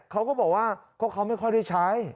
เขาก็บอกว่าก็เขาไม่ค่อยได้ใช้